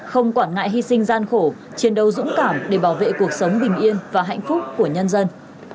không quản ngại hy sinh gian khổ chiến đấu dũng cảm để bảo vệ cuộc sống bình yên và hạnh phúc của nhân dân